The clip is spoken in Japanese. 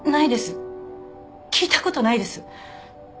聞いたことないです。